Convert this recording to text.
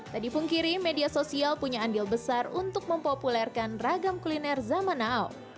tak dipungkiri media sosial punya andil besar untuk mempopulerkan ragam kuliner zaman now